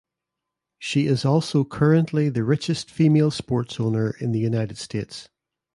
She is also currently the richest female sports owner in the United States.